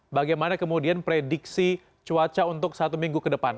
bagaimana kemudian prediksi cuaca untuk satu minggu ke depan